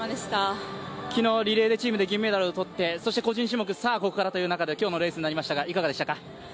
昨日、リレーでチームで銀メダルを取って個人種目、さあここからということですが今日のレースになりましたが、いかがでしたか？